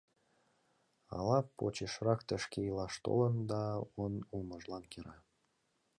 Ала почешрак тышке илаш толын да он улмыжлан кӧра?..